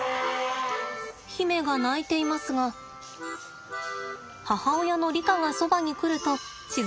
媛が鳴いていますが母親のリカがそばに来ると静まりました。